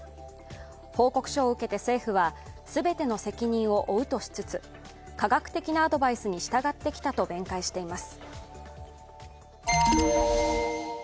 報告書を受けて政府は全ての責任を負うとしつつ科学的なアドバイスに従ってきたと弁解しています。